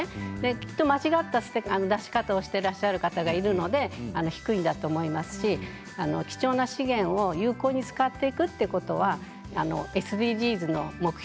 きっと間違った出し方をしている方がいらっしゃると思うので低いと思うんですが貴重な資源を有効に使っていくということはＳＤＧｓの目標